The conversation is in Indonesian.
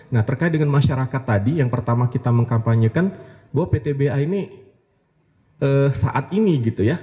nah terkait dengan masyarakat tadi yang pertama kita mengkampanyekan bahwa ptba ini saat ini gitu ya